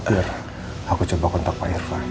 biar aku coba kontak pak irfan